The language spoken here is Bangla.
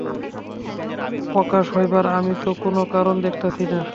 প্রকাশ হইবার আমি তো কোন কারণ দেখিতেছি না।